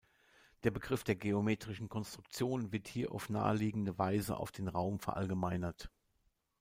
Der Begriff der geometrischen Konstruktion wird hier auf naheliegende Weise auf den Raum verallgemeinert.